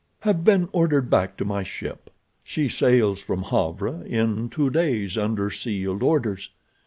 Have been ordered back to my ship. She sails from Havre in two days under sealed orders.